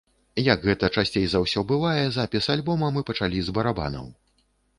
Як гэта часцей за ўсё бывае, запіс альбома мы пачалі з барабанаў.